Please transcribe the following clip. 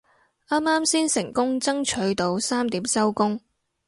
啱啱先成功爭取到三點收工